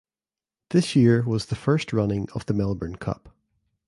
This year was the first running of the Melbourne Cup.